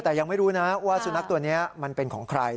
แต่ยังไม่รู้นะว่าสุนัขตัวนี้มันเป็นของใคร